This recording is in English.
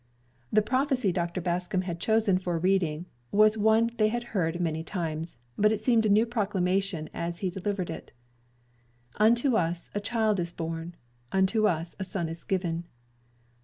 The prophecy Dr. Bascom had chosen for reading, was one they had heard many times, but it seemed a new proclamation as he delivered it: "Unto us a child is born, unto us a son is given."